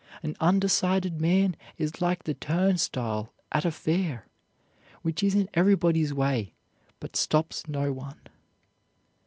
An undecided man is like the turnstile at a fair, which is in everybody's way but stops no one.